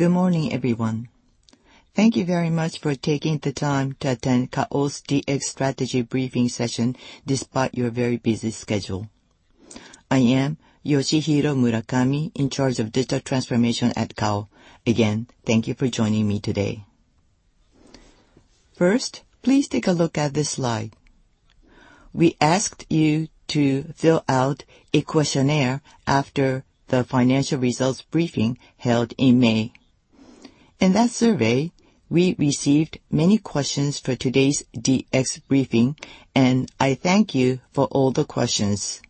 Good morning, everyone. Thank you very much for taking the time to attend Kao's DX strategy briefing session despite your very busy schedule. I am Yoshihiro Murakami, in charge of digital transformation at Kao. Again, thank you for joining me today. Please take a look at this slide. We asked you to fill out a questionnaire after the financial results briefing held in May. In that survey, we received many questions for today's DX briefing. I thank you for all the questions.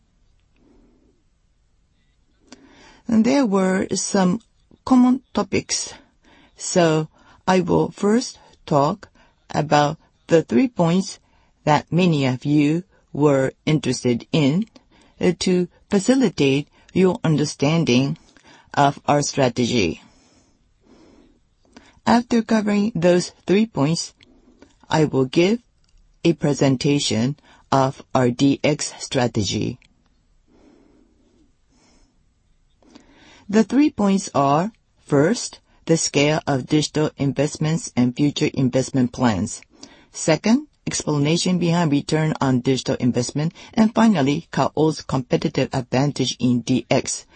There were some common topics. I will first talk about the three points that many of you were interested in to facilitate your understanding of our strategy. After covering those three points, I will give a presentation of our DX strategy. The three points are, first, the scale of digital investments and future investment plans. Second, explanation behind return on digital investment. Finally, Kao's competitive advantage in DX.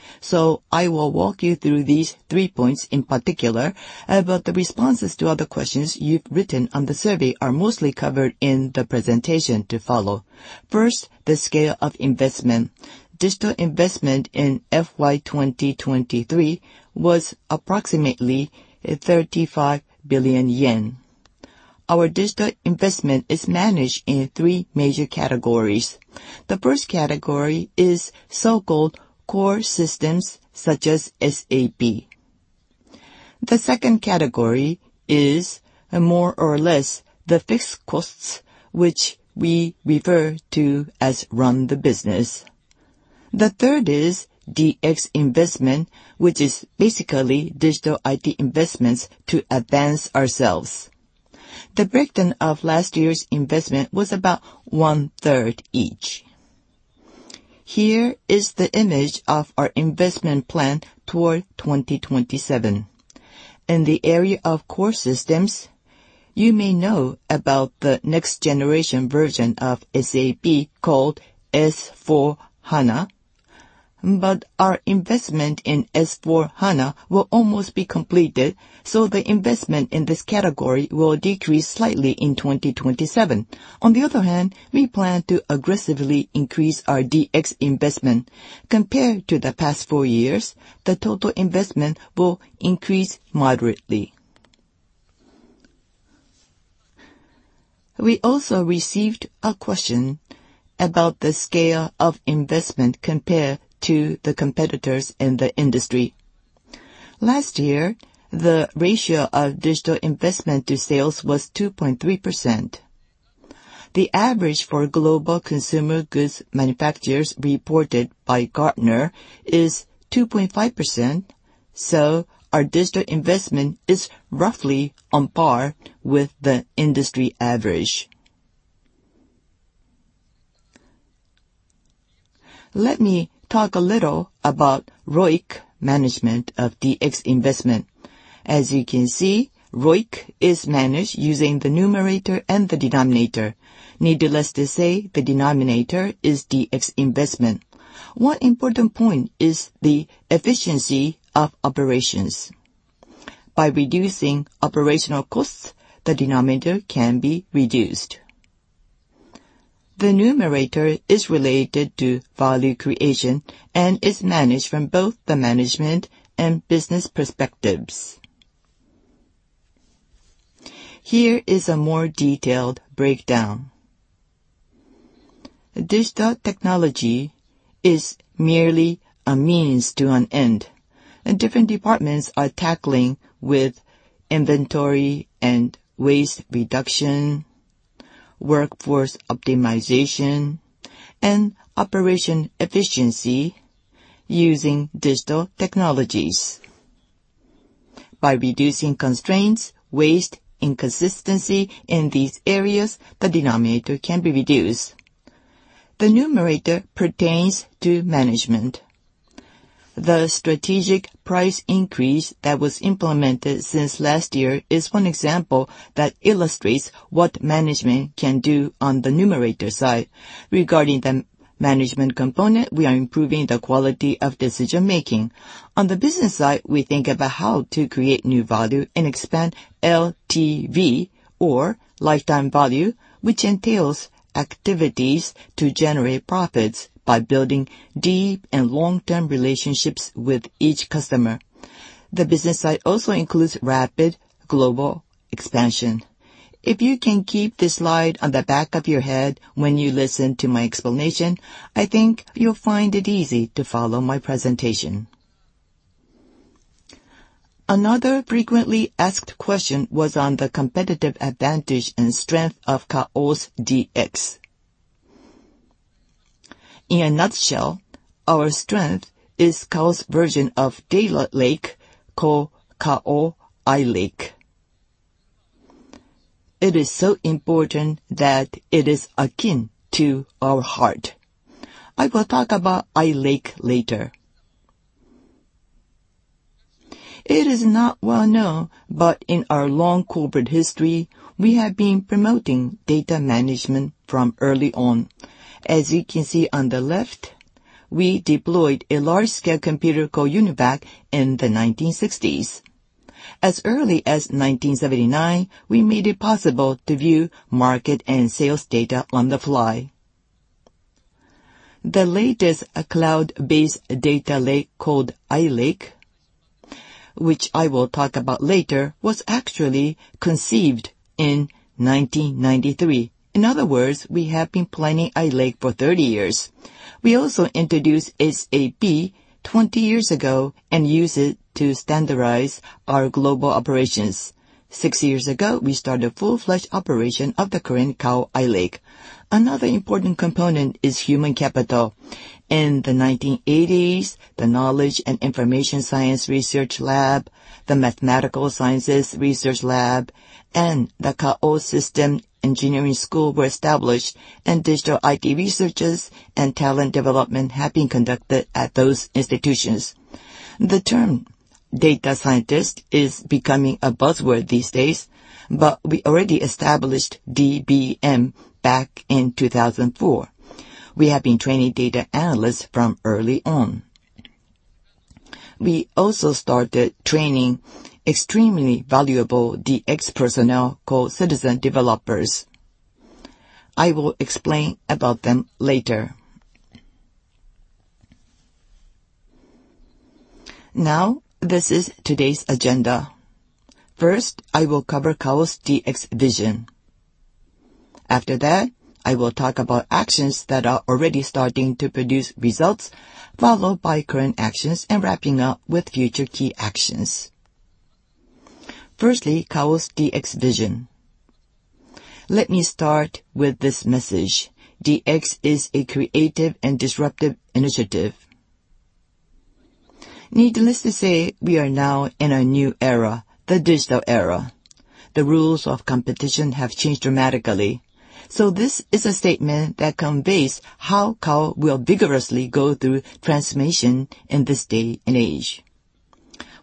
I will walk you through these three points in particular about the responses to other questions you've written on the survey are mostly covered in the presentation to follow. First, the scale of investment. Digital investment in FY 2023 was approximately 35 billion yen. Our digital investment is managed in three major categories. The 1st category is so-called core systems such as SAP. The 2nd category is more or less the fixed costs, which we refer to as run the business. The 3rd is DX investment, which is basically digital IT investments to advance ourselves. The breakdown of last year's investment was about one-third each. Here is the image of our investment plan toward 2027. In the area of core systems, you may know about the next generation version of SAP called S/4HANA. Our investment in S/4HANA will almost be completed. The investment in this category will decrease slightly in 2027. On the other hand, we plan to aggressively increase our DX investment. Compared to the past four years, the total investment will increase moderately. We also received a question about the scale of investment compared to the competitors in the industry. Last year, the ratio of digital investment to sales was 2.3%. The average for global consumer goods manufacturers reported by Gartner is 2.5%, so our digital investment is roughly on par with the industry average. Let me talk a little about ROIC management of DX investment. As you can see, ROIC is managed using the numerator and the denominator. Needless to say, the denominator is DX investment. One important point is the efficiency of operations. By reducing operational costs, the denominator can be reduced. The numerator is related to value creation and is managed from both the management and business perspectives. Here is a more detailed breakdown. Digital technology is merely a means to an end, and different departments are tackling with inventory and waste reduction, workforce optimization, and operation efficiency using digital technologies. By reducing constraints, waste, inconsistency in these areas, the denominator can be reduced. The numerator pertains to management. The strategic price increase that was implemented since last year is one example that illustrates what management can do on the numerator side. Regarding the management component, we are improving the quality of decision making. On the business side, we think about how to create new value and expand LTV or lifetime value, which entails activities to generate profits by building deep and long-term relationships with each customer. The business side also includes rapid global expansion. If you can keep this slide on the back of your head when you listen to my explanation, I think you'll find it easy to follow my presentation. Another frequently asked question was on the competitive advantage and strength of Kao's DX. In a nutshell, our strength is Kao's version of Data Lake called Kao i-Lake. It is so important that it is akin to our heart. I will talk about i-Lake later. It is not well known, but in our long corporate history, we have been promoting data management from early on. As you can see on the left, we deployed a large-scale computer called UNIVAC in the 1960s. As early as 1979, we made it possible to view market and sales data on the fly. The latest cloud-based data lake called i-Lake, which I will talk about later, was actually conceived in 1993. In other words, we have been planning i-Lake for 30 years. We also introduced SAP 20 years ago and used it to standardize our global operations. Six years ago, we started full-fledged operation of the current Kao i-Lake. Another important component is human capital. In the 1980s, the Knowledge and Information Science Research Lab, the Mathematical Sciences Research Lab, and the Kao System Engineering School were established, and digital IT researches and talent development have been conducted at those institutions. The term data scientist is becoming a buzzword these days, but we already established DBM back in 2004. We have been training data analysts from early on. We also started training extremely valuable DX personnel called citizen developers. I will explain about them later. Now, this is today's agenda. First, I will cover Kao's DX vision. After that, I will talk about actions that are already starting to produce results, followed by current actions and wrapping up with future key actions. Firstly, Kao's DX vision. Let me start with this message. DX is a creative and disruptive initiative. Needless to say, we are now in a new era, the digital era. The rules of competition have changed dramatically. This is a statement that conveys how Kao will vigorously go through transformation in this day and age.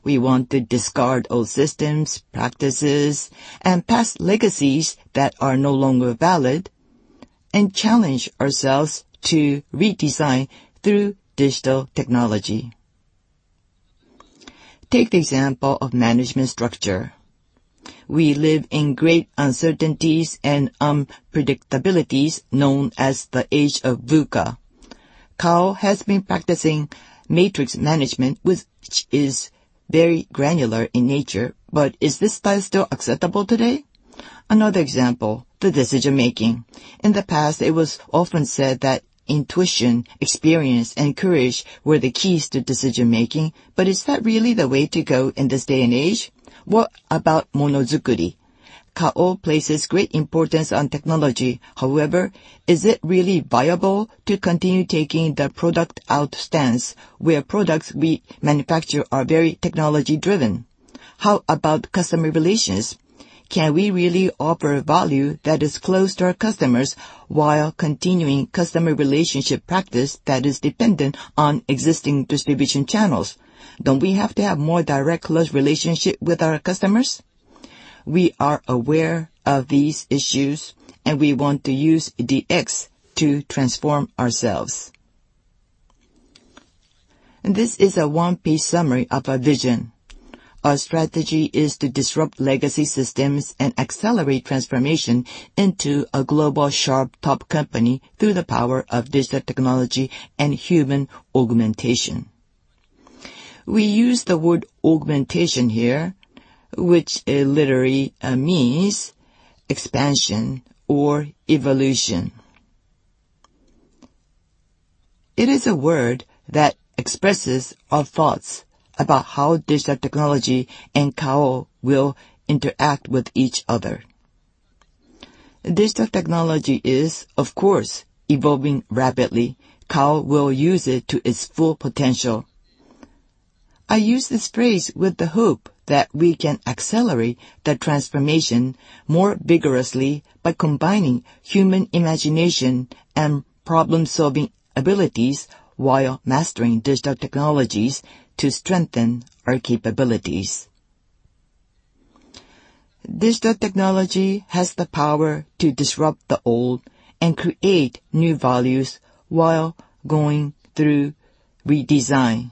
We want to discard old systems, practices, and past legacies that are no longer valid and challenge ourselves to redesign through digital technology. Take the example of management structure. We live in great uncertainties and unpredictabilities known as the age of VUCA. Kao has been practicing matrix management, which is very granular in nature. Is this style still acceptable today? Another example, the decision making. In the past, it was often said that intuition, experience, and courage were the keys to decision making. Is that really the way to go in this day and age? What about Monozukuri? Kao places great importance on technology. However, is it really viable to continue taking the product out stance where products we manufacture are very technology-driven? How about customer relations? Can we really offer value that is close to our customers while continuing customer relationship practice that is dependent on existing distribution channels? Don't we have to have more direct close relationship with our customers? We are aware of these issues, we want to use DX to transform ourselves. This is a one-page summary of our vision. Our strategy is to disrupt legacy systems and accelerate transformation into a global sharp top company through the power of digital technology and human augmentation. We use the word augmentation here, which literally means expansion or evolution. It is a word that expresses our thoughts about how digital technology and Kao will interact with each other. Digital technology is, of course, evolving rapidly. Kao will use it to its full potential. I use this phrase with the hope that we can accelerate the transformation more vigorously by combining human imagination and problem-solving abilities while mastering digital technologies to strengthen our capabilities. Digital technology has the power to disrupt the old and create new values while going through redesign.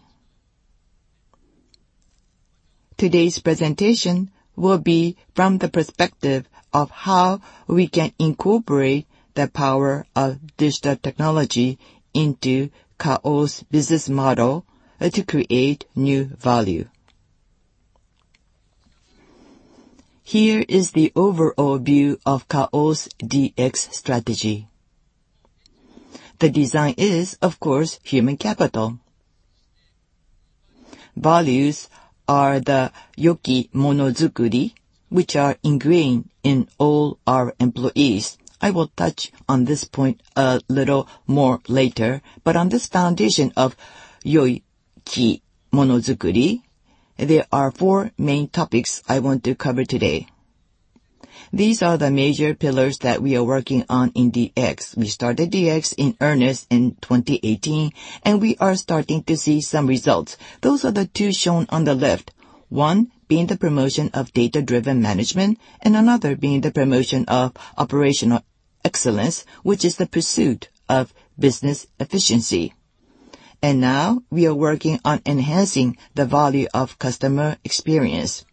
Today's presentation will be from the perspective of how we can incorporate the power of digital technology into Kao's business model to create new value. Here is the overall view of Kao's DX strategy. The design is, of course, human capital. Values are the Yoki-Monozukuri, which are ingrained in all our employees. I will touch on this point a little more later. On this foundation of Yoki-Monozukuri, there are four main topics I want to cover today. These are the major pillars that we are working on in DX. We started DX in earnest in 2018, and we are starting to see some results. Those are the two shown on the left, one being the promotion of data-driven management, and another being the promotion of operational excellence, which is the pursuit of business efficiency. Now we are working on enhancing the value of customer experience.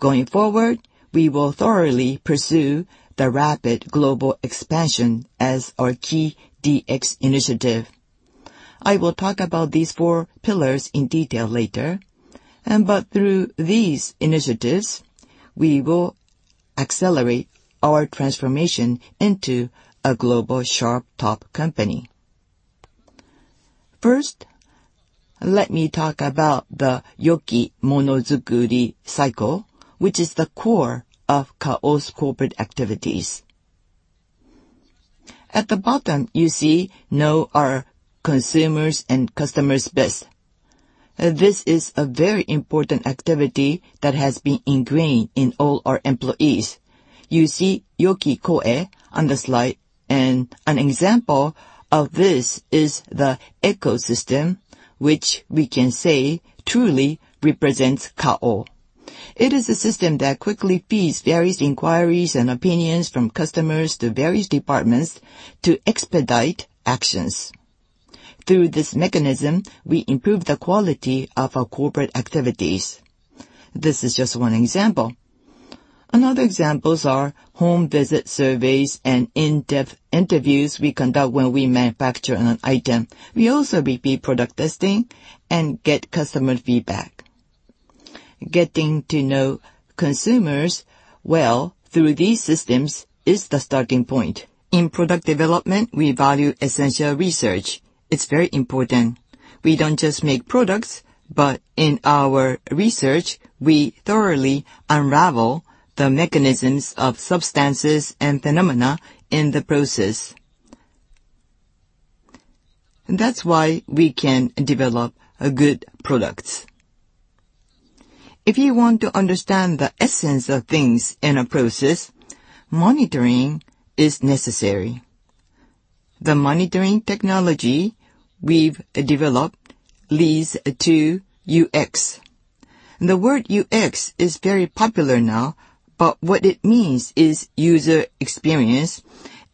Going forward, we will thoroughly pursue the rapid global expansion as our key DX initiative. I will talk about these four pillars in detail later, but through these initiatives, we will accelerate our transformation into a global sharp top company. First, let me talk about the Yoki-Monozukuri cycle, which is the core of Kao's corporate activities. At the bottom you know our consumers and customers best. This is a very important activity that has been ingrained in all our employees. You see Yoki Koe on the slide, and an example of this is the ecosystem, which we can say truly represents Kao. It is a system that quickly feeds various inquiries and opinions from customers to various departments to expedite actions. Through this mechanism, we improve the quality of our corporate activities. This is just one example. Another examples are home visit surveys and in-depth interviews we conduct when we manufacture an item. We also repeat product testing and get customer feedback. Getting to know consumers well through these systems is the starting point. In product development, we value essential research. It's very important. We don't just make products, but in our research, we thoroughly unravel the mechanisms of substances and phenomena in the process. That's why we can develop good products. If you want to understand the essence of things in a process, monitoring is necessary. The monitoring technology we've developed leads to UX. The word UX is very popular now, but what it means is user experience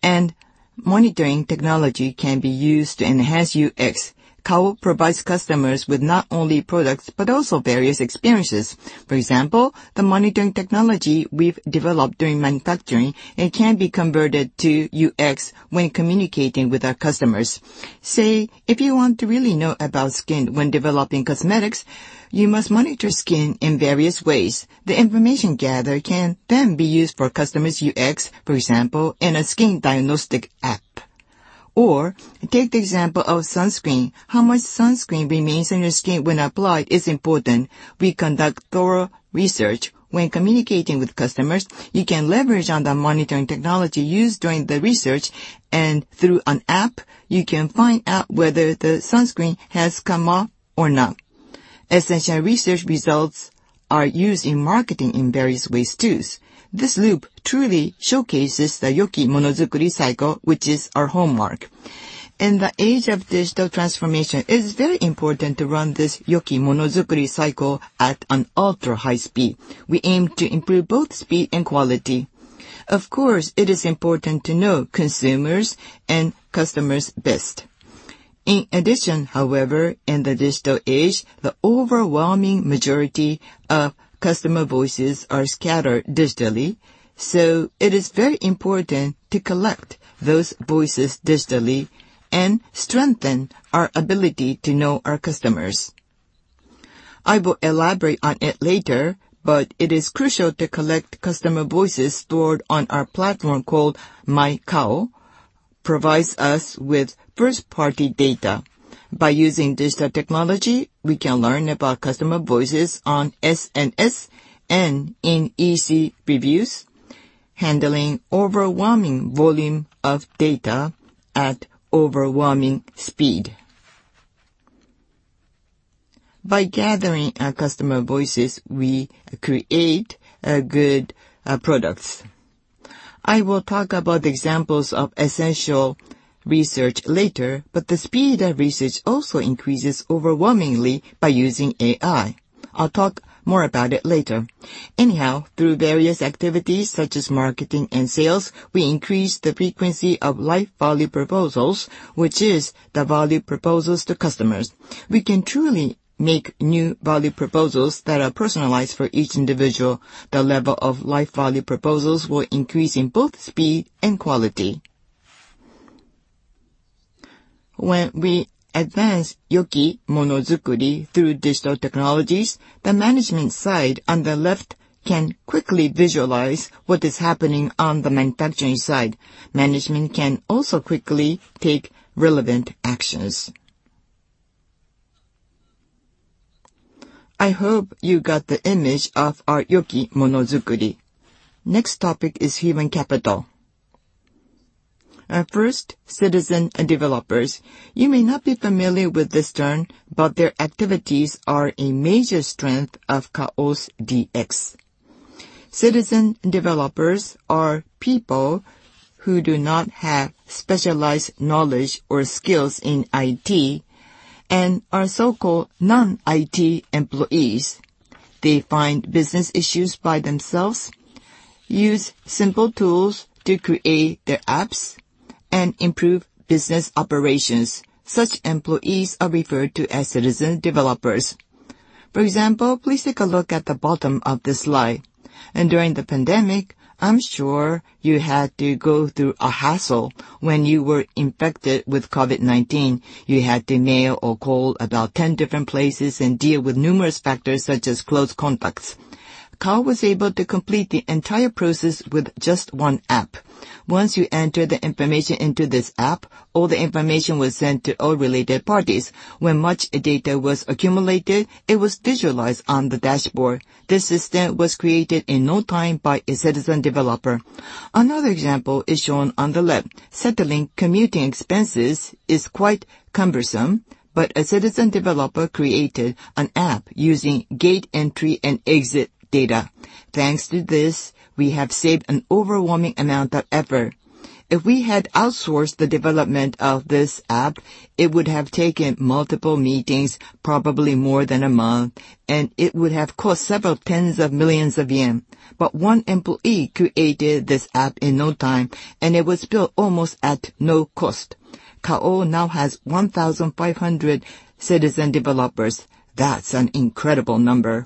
and monitoring technology can be used to enhance UX. Kao provides customers with not only products but also various experiences. For example, the monitoring technology we've developed during manufacturing, it can be converted to UX when communicating with our customers. Say, if you want to really know about skin when developing cosmetics, you must monitor skin in various ways. The information gathered can then be used for customers' UX, for example, in a skin diagnostic app. Or take the example of sunscreen. How much sunscreen remains on your skin when applied is important. We conduct thorough research. When communicating with customers, you can leverage on the monitoring technology used during the research, and through an app, you can find out whether the sunscreen has come off or not. Essential research results are used in marketing in various ways too. This loop truly showcases the Yoki-Monozukuri cycle, which is our hallmark. In the age of digital transformation, it is very important to run this Yoki-Monozukuri cycle at an ultra-high speed. We aim to improve both speed and quality. Of course, it is important to know consumers and customers best. In addition, however, in the digital age, the overwhelming majority of customer voices are scattered digitally. It is very important to collect those voices digitally and strengthen our ability to know our customers. I will elaborate on it later, but it is crucial to collect customer voices stored on our platform called My Kao provides us with first-party data. By using digital technology, we can learn about customer voices on SNS and in e-reviews, handling overwhelming volume of data at overwhelming speed. By gathering our customer voices, we create good products. I will talk about the examples of Essential research later, but the speed of research also increases overwhelmingly by using AI. I will talk more about it later. Through various activities such as marketing and sales, we increase the frequency of life value proposals, which is the value proposals to customers. We can truly make new value proposals that are personalized for each individual. The level of life value proposals will increase in both speed and quality. When we advance Yoki-Monozukuri through digital technologies, the management side on the left can quickly visualize what is happening on the manufacturing side. Management can also quickly take relevant actions. I hope you got the image of our Yoki-Monozukuri. Next topic is human capital. First, citizen developers. You may not be familiar with this term, but their activities are a major strength of Kao's DX. Citizen developers are people who do not have specialized knowledge or skills in IT and are so-called non-IT employees. They find business issues by themselves, use simple tools to create their apps, and improve business operations. Such employees are referred to as citizen developers. For example, please take a look at the bottom of this slide. During the pandemic, I'm sure you had to go through a hassle when you were infected with COVID-19. You had to mail or call about 10 different places and deal with numerous factors such as close contacts. Kao was able to complete the entire process with just one app. Once you enter the information into this app, all the information was sent to all related parties. When much data was accumulated, it was visualized on the dashboard. This system was created in no time by a citizen developer. Another example is shown on the left. Settling commuting expenses is quite cumbersome, a citizen developer created an app using gate entry and exit data. Thanks to this, we have saved an overwhelming amount of effort. If we had outsourced the development of this app, it would have taken multiple meetings, probably more than a month, and it would have cost several tens of millions of JPY. One employee created this app in no time, it was built almost at no cost. Kao now has 1,500 citizen developers. That's an incredible number.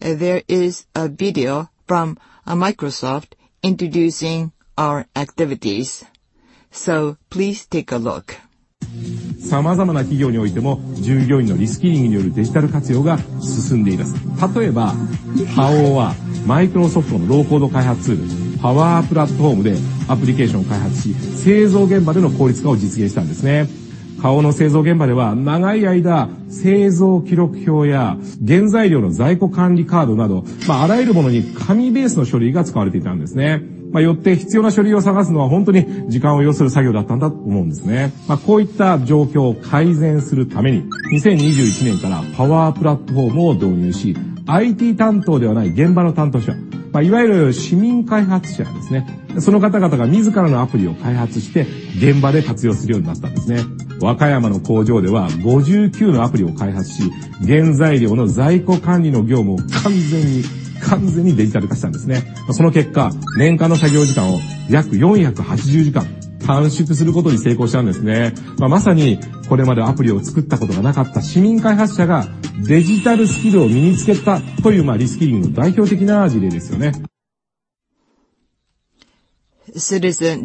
There is a video from Microsoft introducing our activities, please take a look. Citizen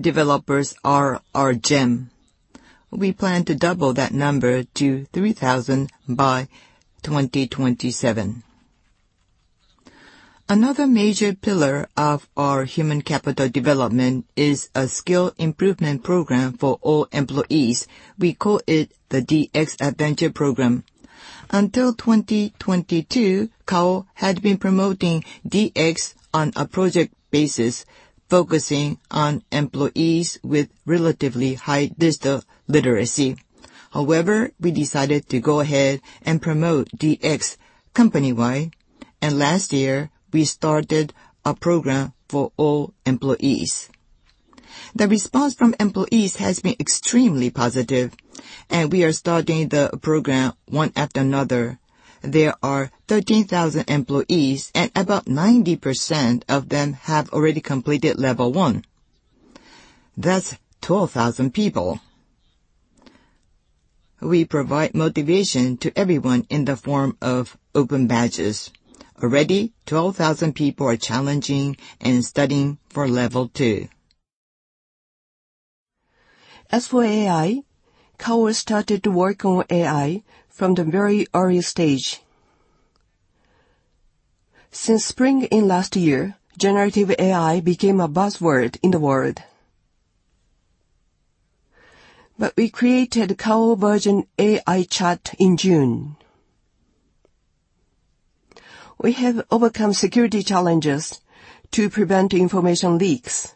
developers are our gem. We plan to double that number to 3,000 by 2027. Another major pillar of our human capital development is a skill improvement program for all employees. We call it the DX Adventure Program. Until 2022, Kao had been promoting DX on a project basis, focusing on employees with relatively high digital literacy. We decided to go ahead and promote DX company-wide, last year we started a program for all employees. The response from employees has been extremely positive, we are starting the program one after another. There are 13,000 employees, about 90% of them have already completed level 1. That's 12,000 people. We provide motivation to everyone in the form of open badges. Already, 12,000 people are challenging and studying for level 2. For AI, Kao started to work on AI from the very early stage. Since spring in last year, generative AI became a buzzword in the world. We created Kao Version AI Chat in June. We have overcome security challenges to prevent information leaks,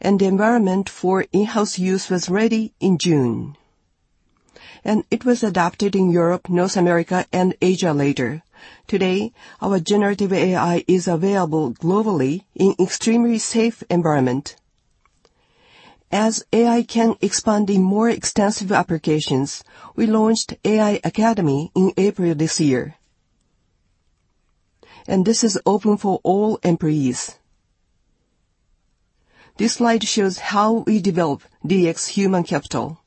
the environment for in-house use was ready in June, it was adopted in Europe, North America, and Asia later. Today, our generative AI is available globally in extremely safe environment. AI can expand in more extensive applications, we launched AI Academy in April this year, this is open for all employees. This slide shows how we develop DX human capital.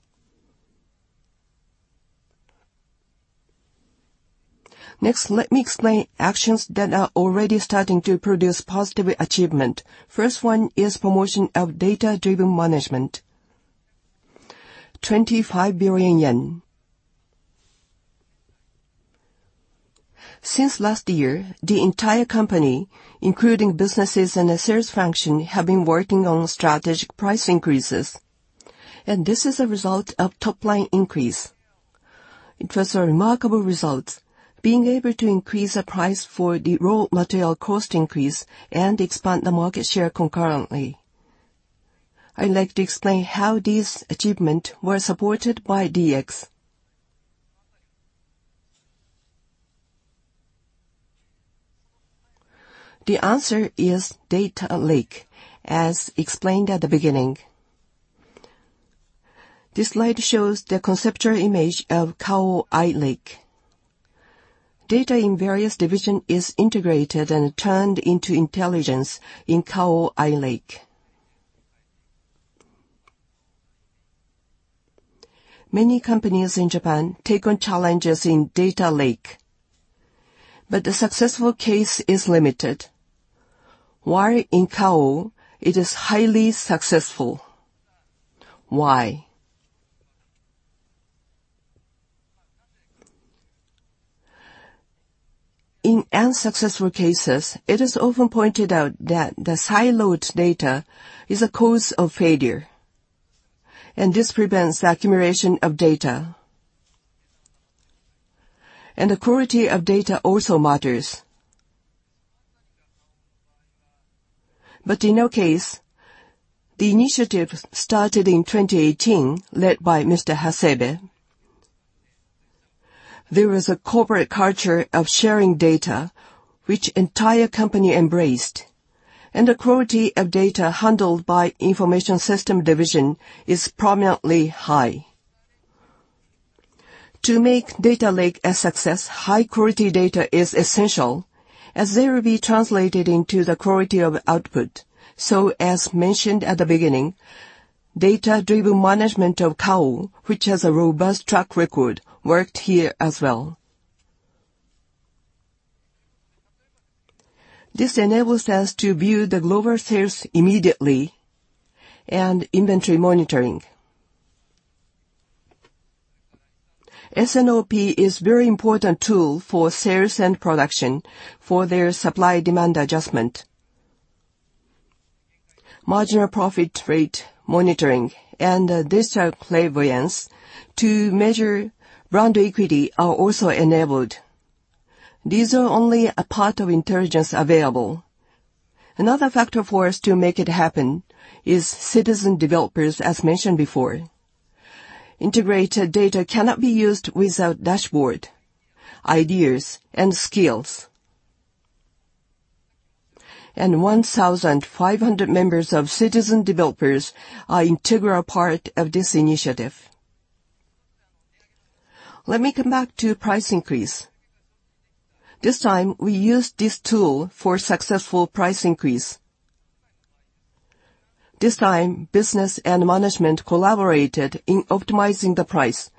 Let me explain actions that are already starting to produce positive achievement. Promotion of data-driven management. JPY 25 billion. Since last year, the entire company, including businesses and the sales function, have been working on strategic price increases, this is a result of top line increase. It was a remarkable result, being able to increase the price for the raw material cost increase, expand the market share concurrently. I'd like to explain how this achievement was supported by DX. The answer is data lake, as explained at the beginning. This slide shows the conceptual image of Kao i-Lake. Data in various division is integrated, turned into intelligence in Kao i-Lake. Many companies in Japan take on challenges in data lake, the successful case is limited. In Kao, it is highly successful. Why? In unsuccessful cases, it is often pointed out that the siloed data is a cause of failure, this prevents the accumulation of data. The quality of data also matters. In our case, the initiative started in 2018, led by Mr. Hasebe. There was a corporate culture of sharing data, which entire company embraced, and the quality of data handled by information system division is prominently high. To make data lake a success, high quality data is essential as they will be translated into the quality of output. As mentioned at the beginning, data-driven management of Kao, which has a robust track record, worked here as well. This enables us to view the global sales immediately and inventory monitoring. S&OP is very important tool for sales and production for their supply demand adjustment. Marginal profit rate monitoring and Digital Clairvoyance to measure brand equity are also enabled. These are only a part of intelligence available. Another factor for us to make it happen is citizen developers, as mentioned before. Integrated data cannot be used without dashboard, ideas, and skills. 1,500 members of citizen developers are integral part of this initiative. Let me come back to price increase. This time, we used this tool for successful price increase. This time, business and management collaborated in optimizing the price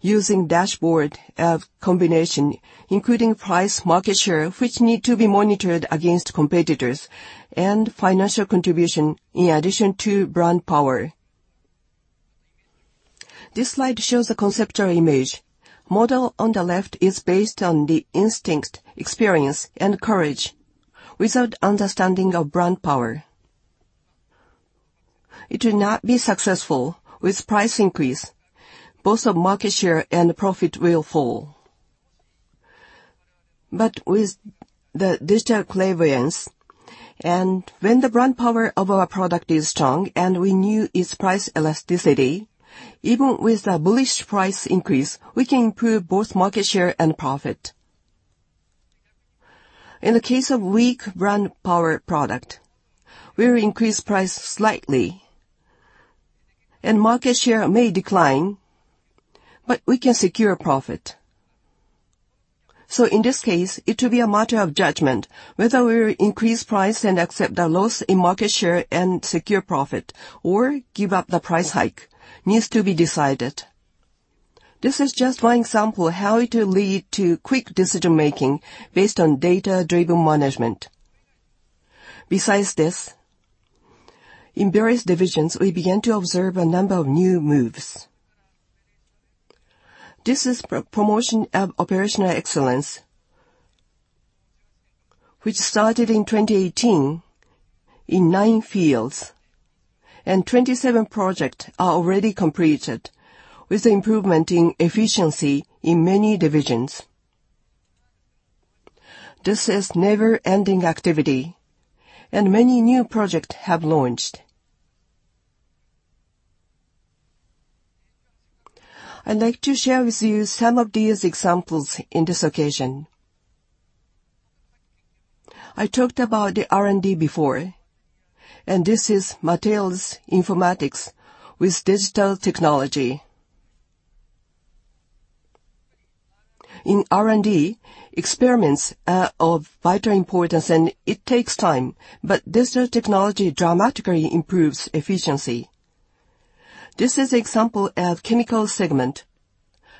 using dashboard of combination, including price market share, which need to be monitored against competitors, and financial contribution in addition to brand power. This slide shows a conceptual image. Model on the left is based on the instinct, experience, and courage without understanding of brand power. It will not be successful with price increase. Both of market share and profit will fall. With the Digital Clairvoyance, and when the brand power of our product is strong and we know its price elasticity, even with a bullish price increase, we can improve both market share and profit. In the case of weak brand power product, we will increase price slightly and market share may decline, but we can secure profit. In this case, it will be a matter of judgment whether we will increase price and accept the loss in market share and secure profit, or give up the price hike. Needs to be decided. This is just one example how it will lead to quick decision-making based on data-driven management. Besides this, in various divisions, we began to observe a number of new moves. This is promotion of operational excellence, which started in 2018 in nine fields, and 27 project are already completed with improvement in efficiency in many divisions. This is never-ending activity, and many new project have launched. I'd like to share with you some of these examples in this occasion. I talked about the R&D before, and this is materials informatics with digital technology. In R&D, experiments are of vital importance, and it takes time. Digital technology dramatically improves efficiency. This is example of chemical segment.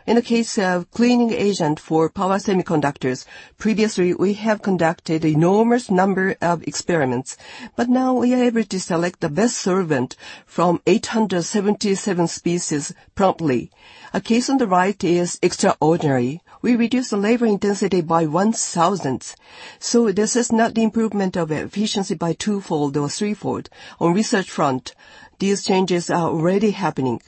In the case of cleaning agent for power semiconductors, previously, we have conducted enormous number of experiments, but now we are able to select the best surfactant from 877 species promptly. A case on the right is extraordinary. We reduced the labor intensity by one-thousandth, this is not the improvement of efficiency by twofold or threefold. On research front, these changes are already happening.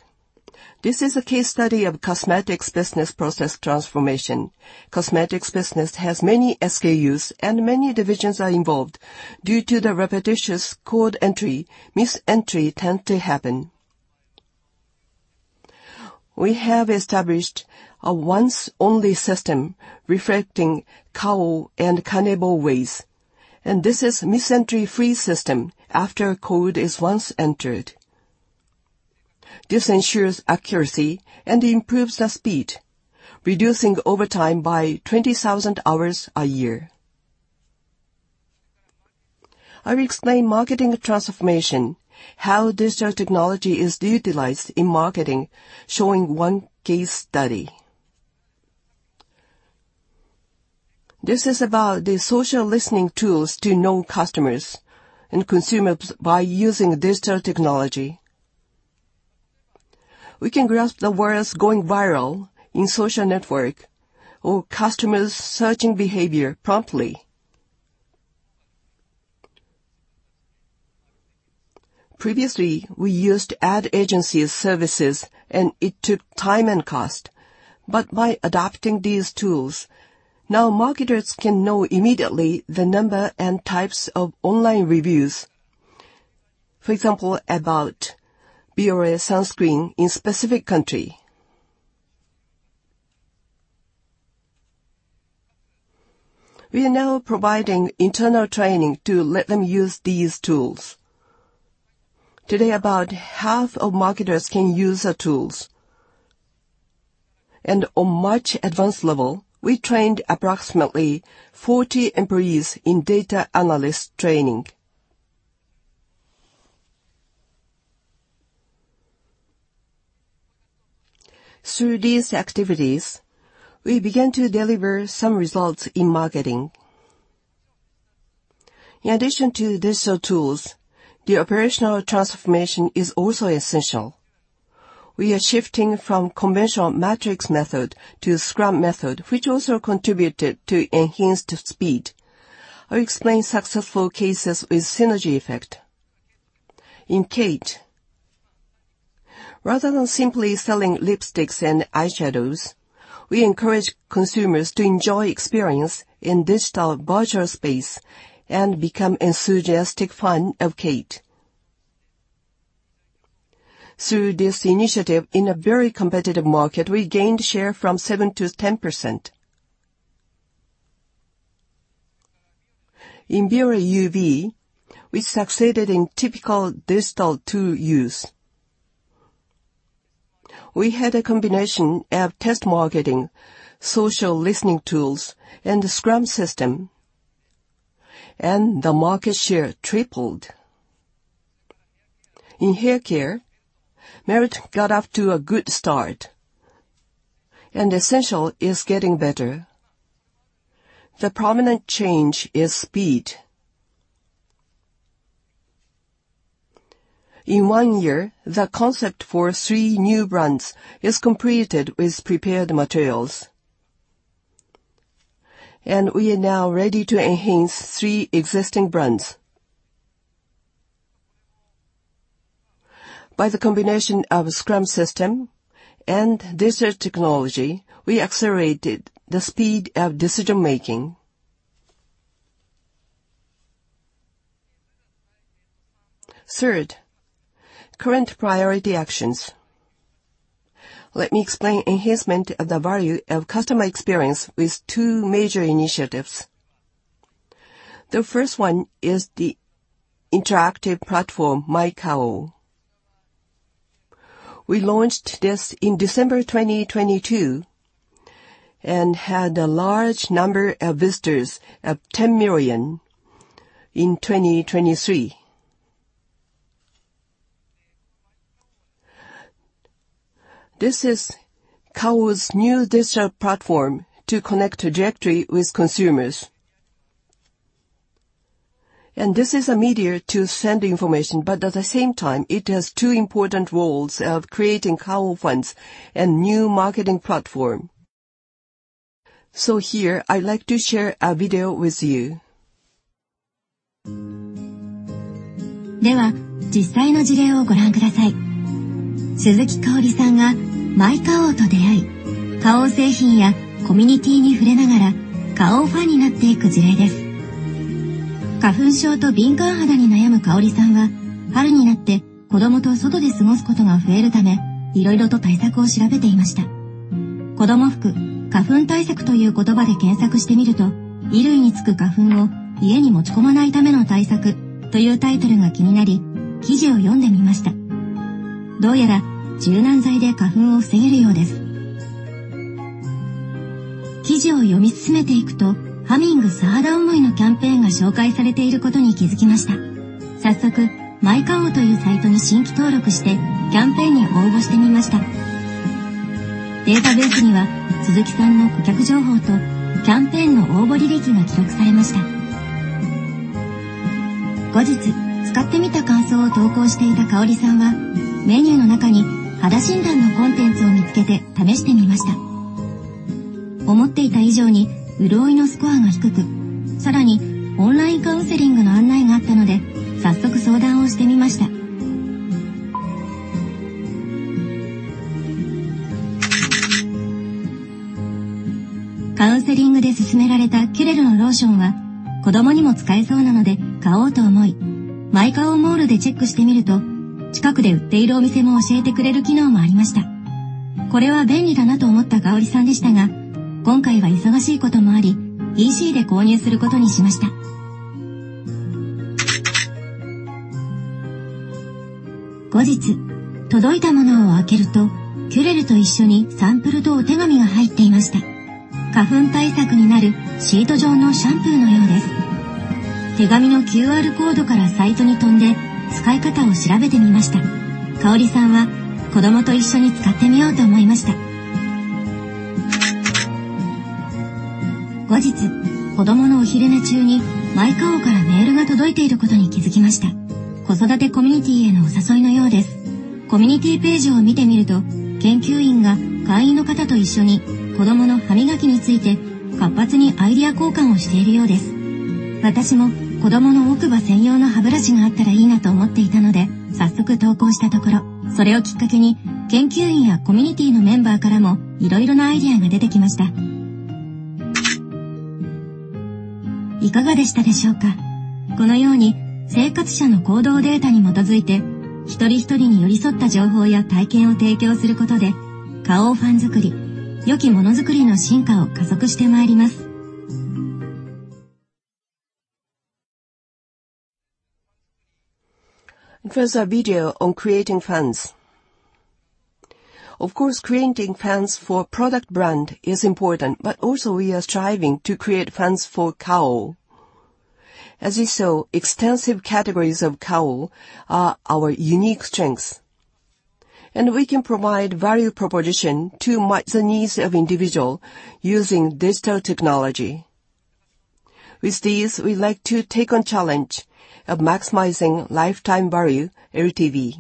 This is a case study of cosmetics business process transformation. Cosmetics business has many SKUs and many divisions are involved. Due to the repetitious code entry, misentry tends to happen. We have established a once only system reflecting Kao and ways, and this is misentry free system after code is once entered. This ensures accuracy and improves the speed, reducing overtime by 20,000 hours a year. I will explain marketing transformation, how digital technology is utilized in marketing, showing one case study. This is about the social listening tools to know customers and consumers by using digital technology. We can grasp the words going viral in social network or customers' searching behavior promptly. Previously, we used ad agency services, and it took time and cost. By adopting these tools, now marketers can know immediately the number and types of online reviews. For example, about Bioré Sunscreen in specific country. We are now providing internal training to let them use these tools. Today, about half of marketers can use the tools. On much advanced level, we trained approximately 40 employees in data analyst training. Through these activities, we began to deliver some results in marketing. In addition to digital tools, the operational transformation is also essential. We are shifting from conventional matrix method to scrum method, which also contributed to enhanced speed. I'll explain successful cases with synergy effect. In KATE, rather than simply selling lipsticks and eyeshadows, we encourage consumers to enjoy experience in digital virtual space and become enthusiastic fan of KATE. Through this initiative, in a very competitive market, we gained share from 7% to 10%. In Bioré UV, we succeeded in typical digital tool use. We had a combination of test marketing, social listening tools, and the scrum system, and the market share tripled. In hair care, Merit got off to a good start, and Essential is getting better. The prominent change is speed. In one year, the concept for three new brands is completed with prepared materials. We are now ready to enhance three existing brands. By the combination of scrum system and digital technology, we accelerated the speed of decision making. Third, current priority actions. Let me explain enhancement of the value of customer experience with two major initiatives. The first one is the interactive platform, My Kao. We launched this in December 2022 and had a large number of visitors of 10 million in 2023. This is Kao's new digital platform to connect trajectory with consumers. This is a medium to send information, but at the same time, it has two important roles of creating Kao fans and new marketing platform. So here, I'd like to share a video with you. 思っていた以上に潤いのスコアが低く、さらにオンラインカウンセリングの案内があったので、早速相談をしてみました。カウンセリングで勧められたCurélのローションは、子供にも使えそうなので買おうと思い、MyKao モールでチェックしてみると、近くで売っているお店も教えてくれる機能もありました。これは便利だなと思ったかおりさんでしたが、今回は忙しいこともあり、ECで購入することにしました。後日、届いたものを開けると、Curélと一緒にサンプルとお手紙が入っていました。花粉対策になるシート状のシャンプーのようです。手紙のQRコードからサイトに飛んで使い方を調べてみました。かおりさんは子供と一緒に使ってみようと思いました。後日、子供のお昼寝中にMyKaoからメールが届いていることに気づきました。子育てコミュニティへのお誘いのようです。コミュニティページを見てみると、研究員が会員の方と一緒に子供の歯磨きについて活発にアイデア交換をしているようです。私も子供の奥歯専用の歯ブラシがあったらいいなと思っていたので、早速投稿したところ、それをきっかけに研究員やコミュニティのメンバーからもいろいろなアイデアが出てきました。いかがでしたでしょうか。このように、生活者の行動データに基づいて、一人一人に寄り添った情報や体験を提供することで、Kaoファン作り、良きモノ作りの進化を加速してまいります。There's a video on creating fans. Of course, creating fans for product brand is important, but also we are striving to create fans for Kao. As you saw, extensive categories of Kao are our unique strengths, and we can provide value proposition to match the needs of individual using digital technology. With these, we like to take on challenge of maximizing lifetime value, LTV.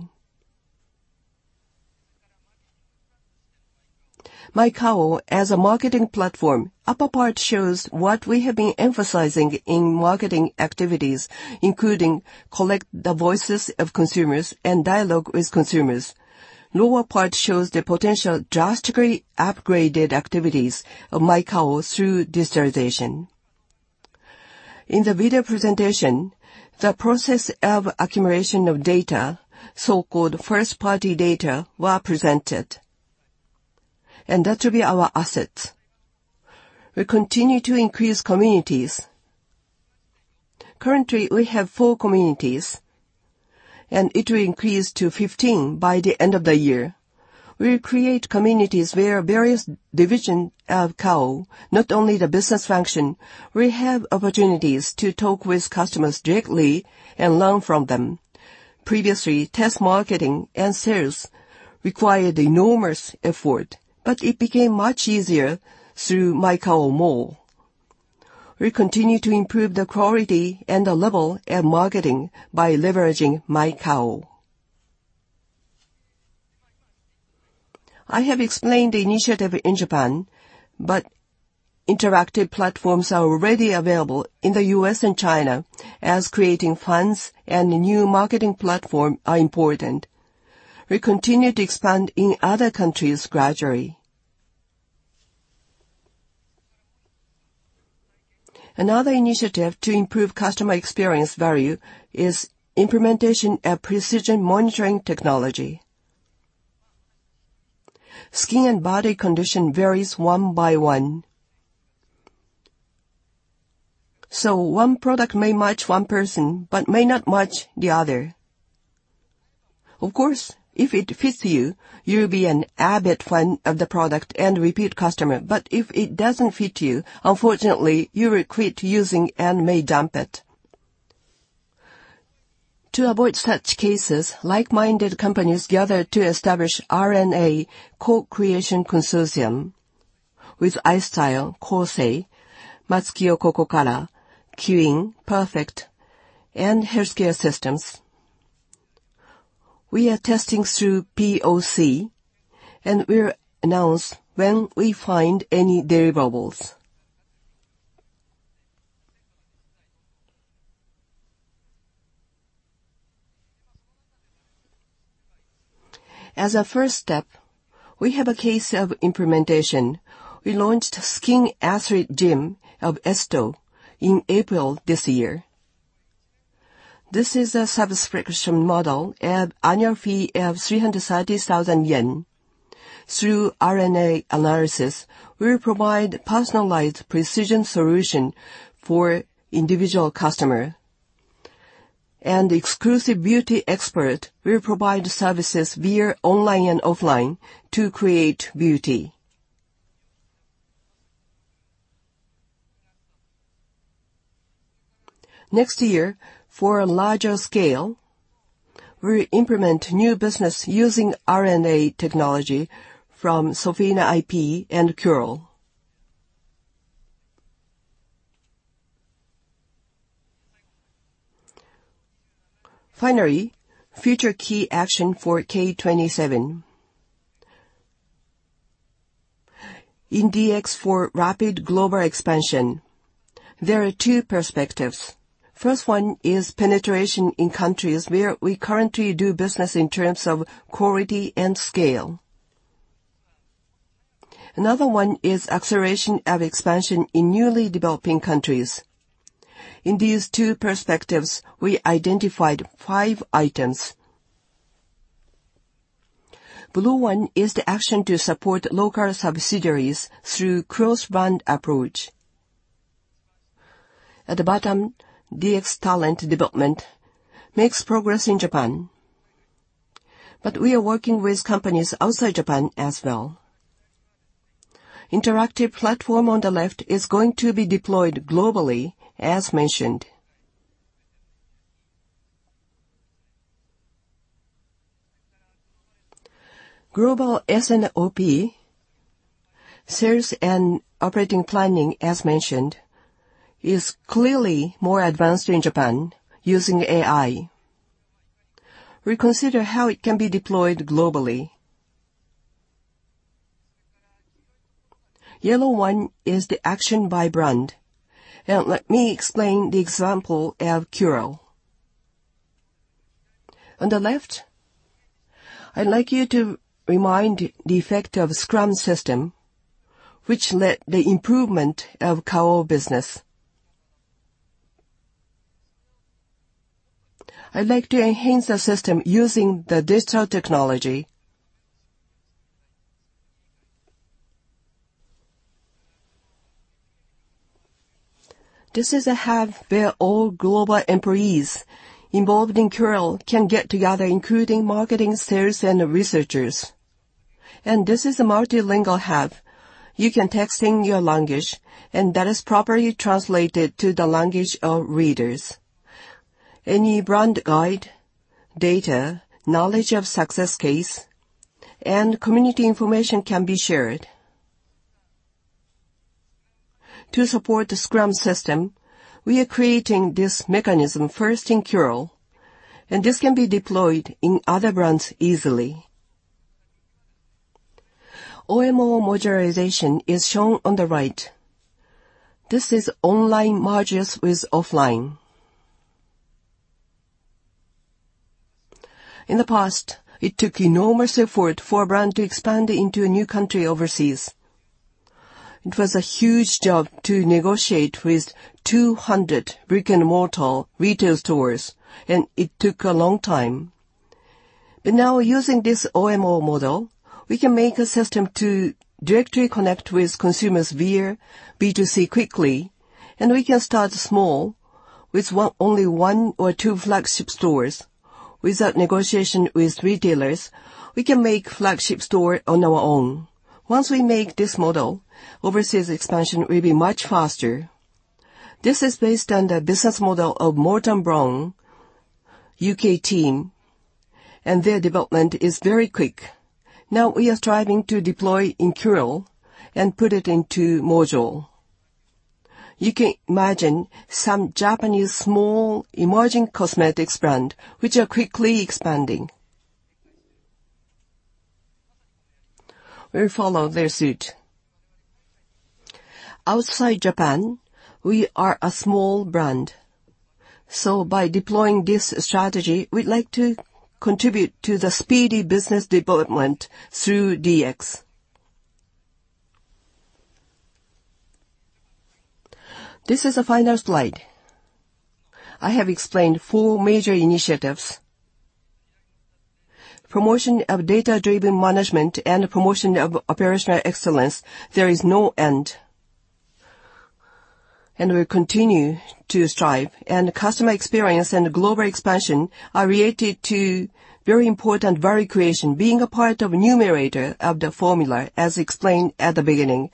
My Kao as a marketing platform. Upper part shows what we have been emphasizing in marketing activities, including collect the voices of consumers and dialogue with consumers. Lower part shows the potential drastically upgraded activities of My Kao through digitalization. In the video presentation, the process of accumulation of data, so-called first-party data, were presented, and that will be our assets. We continue to increase communities. Currently, we have four communities, and it will increase to 15 by the end of the year. We create communities where various divisions of Kao, not only the business function, will have opportunities to talk with customers directly and learn from them. Previously, test marketing and sales required enormous effort, but it became much easier through MyKao Mall. We continue to improve the quality and the level of marketing by leveraging MyKao. I have explained the initiative in Japan, but interactive platforms are already available in the U.S. and China, as creating fans and new marketing platform are important. We continue to expand in other countries gradually. Another initiative to improve customer experience value is implementation of precision monitoring technology. Skin and body condition varies one by one. One product may match one person, but may not match the other. Of course, if it fits you'll be an avid fan of the product and repeat customer. If it doesn't fit you, unfortunately, you will quit using and may dump it. To avoid such cases, like-minded companies gathered to establish RNA Co-creation Consortium with iStyle, KOSÉ, MatsukiyoCocokara, Kirin, Perfect, and Healthcare Systems. We are testing through POC, and we'll announce when we find any deliverables. As a first step, we have a case of implementation. We launched est Skin Athlete Gym in April this year. This is a subscription model of annual fee of 330,000 yen. Through RNA analysis, we provide personalized precision solution for individual customer. Exclusive beauty expert will provide services via online and offline to create beauty. Next year, for a larger scale, we'll implement new business using RNA technology from SOFINA iP and Curél. Finally, future key action for K27. In DX for rapid global expansion, there are two perspectives. First one is penetration in countries where we currently do business in terms of quality and scale. Another one is acceleration of expansion in newly developing countries. In these two perspectives, we identified 5 items. Blue one is the action to support local subsidiaries through cross-brand approach. At the bottom, DX talent development makes progress in Japan. We are working with companies outside Japan as well. Interactive platform on the left is going to be deployed globally, as mentioned. Global S&OP, sales and operating planning, as mentioned, is clearly more advanced in Japan using AI. We consider how it can be deployed globally. Yellow one is the action by brand. Now let me explain the example of Curél. On the left, I'd like you to remind the effect of scrum system, which led the improvement of Kao business. I'd like to enhance the system using the digital technology. This is a hub where all global employees involved in Curél can get together, including marketing, sales, and researchers. This is a multilingual hub. You can text in your language, and that is properly translated to the language of readers. Any brand guide, data, knowledge of success case, and community information can be shared. To support the scrum system, we are creating this mechanism first in Curél, and this can be deployed in other brands easily. OMO modularization is shown on the right. This is online modules with offline. In the past, it took enormous effort for a brand to expand into a new country overseas. It was a huge job to negotiate with 200 brick-and-mortar retail stores, and it took a long time. Now using this OMO model, we can make a system to directly connect with consumers via B2C quickly, and we can start small with only one or two flagship stores. Without negotiation with retailers, we can make flagship store on our own. Once we make this model, overseas expansion will be much faster. This is based on the business model of Molton Brown U.K. team, and their development is very quick. Now we are striving to deploy in Curél and put it into module. You can imagine some Japanese small emerging cosmetics brand, which are quickly expanding. We follow their suit. Outside Japan, we are a small brand. By deploying this strategy, we'd like to contribute to the speedy business development through DX. This is the final slide. I have explained four major initiatives. Promotion of data-driven management and promotion of operational excellence, there is no end. We continue to strive, and customer experience and global expansion are related to very important value creation, being a part of numerator of the formula, as explained at the beginning.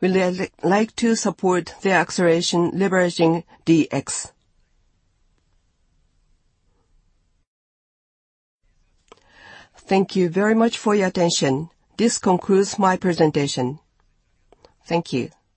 We would like to support the acceleration leveraging DX. Thank you very much for your attention. This concludes my presentation. Thank you.